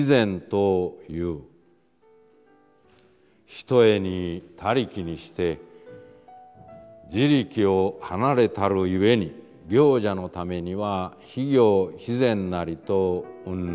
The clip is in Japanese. ひとえに他力にして自力をはなれたるゆえに行者のためには非行・非善なりと云々」。